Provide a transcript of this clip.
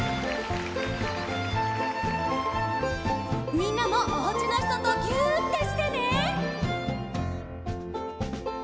みんなもおうちのひととぎゅってしてね！